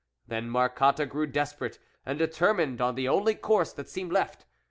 Then Marcotte grew desperate, and determined on the only course that seemed left.